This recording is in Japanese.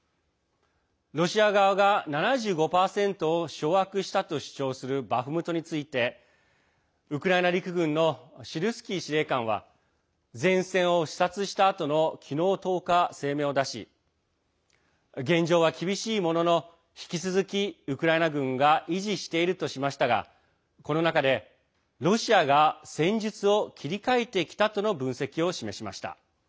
ロシア側が７５％を掌握したと主張するバフムトについてウクライナ陸軍のシルスキー司令官は前線を視察したあとの昨日１０日、声明を出し現状は厳しいものの引き続きウクライナ軍が維持しているとしましたがこの中で、ロシアが戦術を切り替えてきたとの分析を示しました。